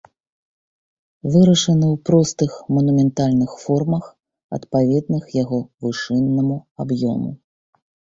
Вырашаны ў простых манументальных формах, адпаведных яго вышыннаму аб'ёму.